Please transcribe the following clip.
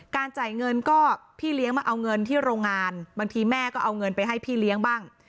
จ่ายเงินก็พี่เลี้ยงมาเอาเงินที่โรงงานบางทีแม่ก็เอาเงินไปให้พี่เลี้ยงบ้าง